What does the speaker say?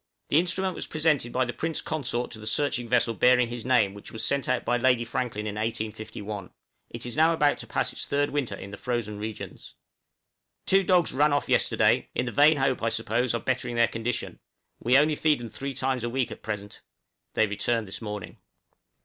The instrument was presented by the Prince Consort to the searching vessel bearing his name which was sent out by Lady Franklin in 1851; it is now about to pass its third winter in the frozen regions. {SNOW CRYSTALS.} Two dogs ran off yesterday, in the vain hope, I suppose, of bettering their condition, we only feed them three times a week at present; they returned this morning.